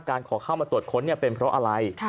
ขอเข้ามาตรวจค้นเป็นเพราะอะไร